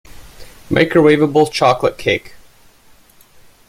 Microwaveable chocolate cake